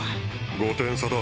５点差だ。